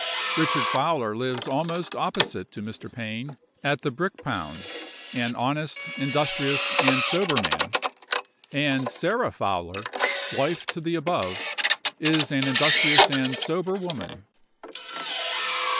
Richard Fowler lives almost opposite to Mr. Pain, at the Brick pound—an honest, industrious, and sober man. And Sarah Fowler, wife to the above, is an industrious and sober woman.